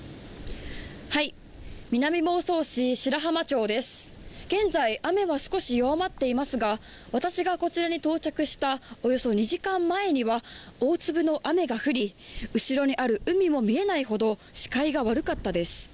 南房総市白浜町です現在雨は少し弱まっていますが私がこちらに到着したおよそ２時間前には大粒の雨が降り後ろにある海も見えないほど視界が悪かったです